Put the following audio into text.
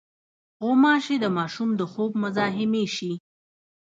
غوماشې د ماشوم د خوب مزاحمې شي.